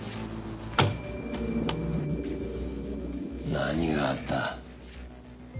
何があった？